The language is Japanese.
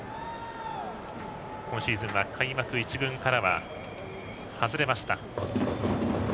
今シーズンは開幕１軍からは外れました。